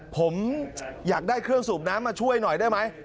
ผมอยากได้เครื่องสูบน้ำมาช่วยหน่อยได้ไหม